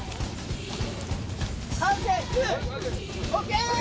ＯＫ！